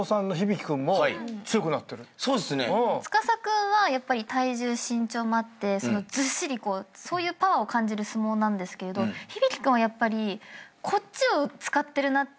司君は体重身長もあってずっしりそういうパワーを感じる相撲なんですけど響君はやっぱりこっちを使ってるなっていう。